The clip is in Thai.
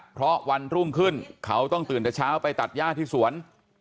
เพราะวันรุ่งขึ้นเขาต้องตื่นแต่เช้าไปตัดย่าที่สวน